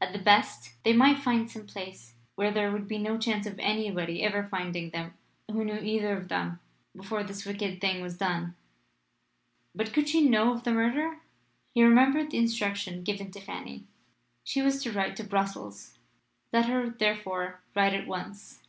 At the best, they might find some place where there would be no chance of anybody ever finding them who knew either of them before this wicked thing was done. But could she know of the murder? He remembered the instruction given to Fanny. She was to write to Brussels. Let her therefore write at once.